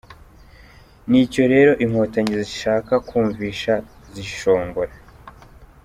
Ni icyo rero Inkotanyi zishaka kwumvisha zishongora…